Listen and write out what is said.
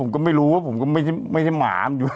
ผมก็ไม่รู้ว่าผมก็ไม่ใช่หมาอยู่